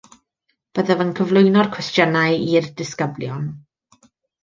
Byddaf yn cyflwyno'r cwestiynau i'r disgyblion